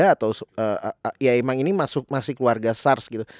atau ya emang ini masih keluarga sars gitu